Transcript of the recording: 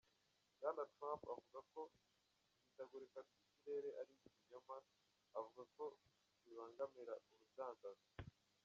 Bwana Trump avuga ko ihindagurika ry'ikirere ari ikinyoma, avuga ko bibangamira urudandazwa.